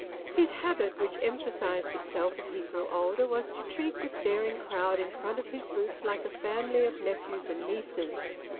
His habit, which emphasised itself as he grew older, was to treat the staring crowd in front of his booth like a family of nephews and nieces.